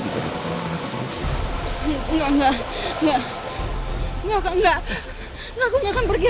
tek kpv menteri lama bangka energi